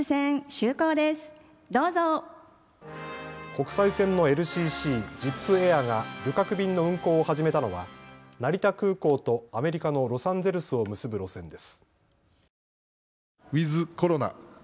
国際線のＬＣＣ、ジップエアが旅客便の運航を始めたのは成田空港とアメリカのロサンゼルスを結ぶ路線です。